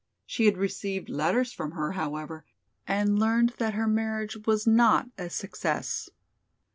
She had received letters from her, however, and learned that her marriage was not a success.